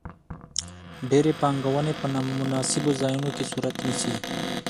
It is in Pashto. ډېرې پانګونې په نا مناسبو ځایونو کې صورت نیسي.